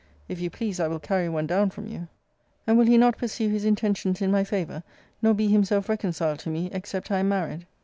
If you please I will carry one down from you. And will he not pursue his intentions in my favour, nor be himself reconciled to me, except I am married?